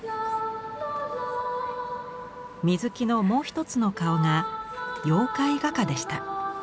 水木のもう一つの顔が妖怪画家でした。